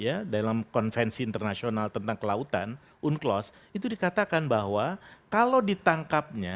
ya dalam konvensi internasional tentang kelautan unclos itu dikatakan bahwa kalau ditangkapnya